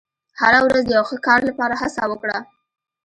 • هره ورځ د یو ښه کار لپاره هڅه وکړه.